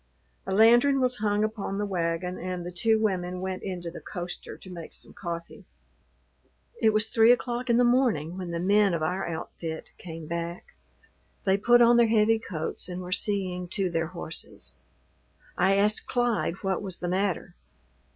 A lantern was hung upon the wagon and the two women went into the coaster to make some coffee. It was three o'clock in the morning when the men of our outfit came back. They put on their heavy coats and were seeing to their horses. I asked Clyde what was the matter.